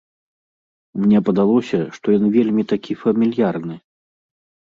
Мне падалося, што ён вельмі такі фамільярны.